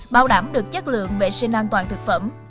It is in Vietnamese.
bảo đảm được chất lượng vệ sinh an toàn thực phẩm